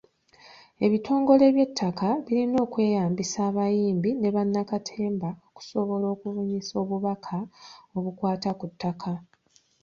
Ebitongole by'ettaka birina okweyambisa abayimbi ne bannakatemba okusobola okubunyisa obubaka obukwata ku ttaka.